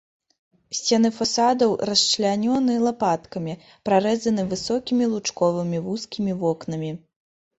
Сцены фасадаў расчлянёны лапаткамі, прарэзаны высокімі лучковымі вузкімі вокнамі.